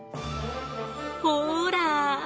ほら。